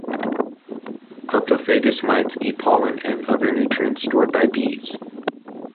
Cleptophagous mites eat pollen and other nutrients stored by bees.